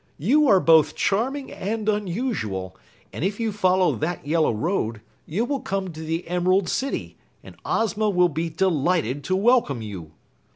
"You are both charming and unusual, and if you follow that Yellow Road, you will come to the Emerald City, and Ozma will be delighted to welcome you."